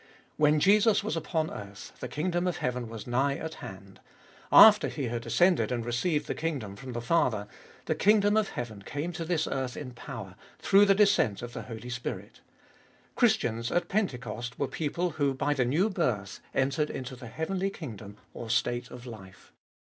When Jesus was upon earth the kingdom of heaven was nigh at hand ; after He had ascended and received the kingdom from the Father, the kingdom of heaven came to this earth in power, through the descent of the Holy Spirit. Christians, at Pentecost, were people who by the new birth entered into the heavenly kingdom or state of life.